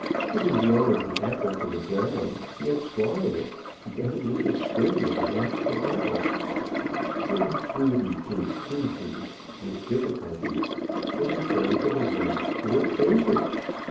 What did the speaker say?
Having lowered the apple to the ground, he had swallowed it, together with the string and half the bough. I withdrew the "intrusions" with difficulty, and returned to the woman who had fainted.